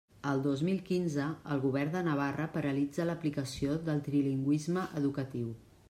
El dos mil quinze, el Govern de Navarra paralitza l'aplicació del trilingüisme educatiu.